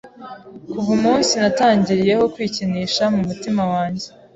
Kuva umunsi natangiriyeho kwikinisha mu mutima wange